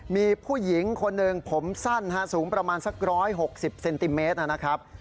มีผู้หญิงคนหนึ่งผมสั้นสูงประมาณสัก๑๖๐เซนติเมตรนะครับ